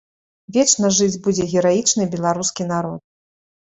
Вечна жыць будзе гераічны беларускі народ.